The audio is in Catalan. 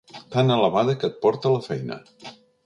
Tan elevada que et porta a la feina.